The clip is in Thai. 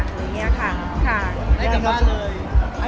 ได้กลับบ้านเลย